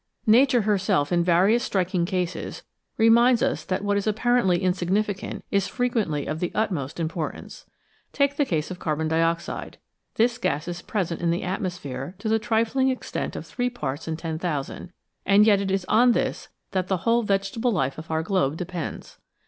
Nature herself, in various striking cases, reminds us that what is apparently insignificant is frequently of the utmost importance. Take the case of carbon dioxide ; this gas is present in the atmosphere to the trifling extent of 3 parts in 10,000, and yet it is on this that the whole vegetable life of our globe depends.